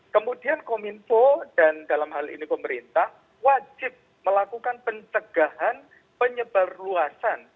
kemudian kominfo dan dalam hal ini pemerintah wajib melakukan pencegahan penyebar luasan